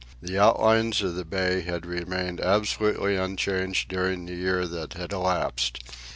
The outlines of the bay had remained absolutely unchanged during the year that had elapsed.